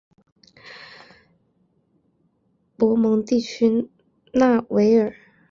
博蒙地区讷维尔。